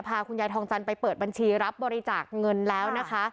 พาคุณยายทองจันทร์ไปเปิดบัญชีรับบริจาคเงินแล้วนะคะ